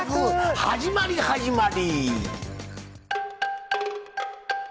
始まり、始まり！